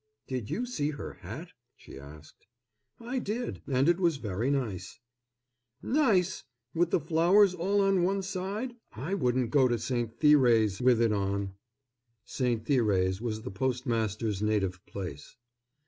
"Did you see her hat?" she asked. "I did, and it was very nice." "Nice! with the flowers all on one side? I wouldn't go to St. Thérèse with it on." St. Thérèse was the postmaster's native place.